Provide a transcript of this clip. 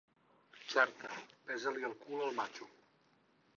Xerta, besa-li el cul al matxo.